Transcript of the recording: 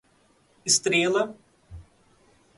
Estrela